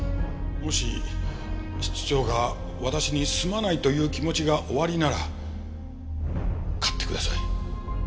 もし室長が私にすまないという気持ちがおありなら勝ってください。